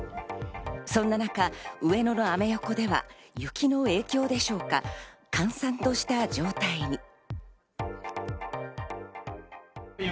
そんな中、上野のアメ横では雪の影響でしょうか、閑散とした状態に。